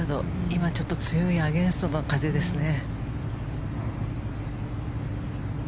今、強いアゲンストの風ですね。